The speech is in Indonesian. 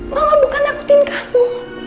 mama bukan nakutin kamu